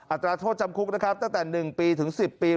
ตราโทษจำคุกนะครับตั้งแต่๑ปีถึง๑๐ปี